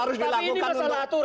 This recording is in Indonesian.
tapi ini masalah aturan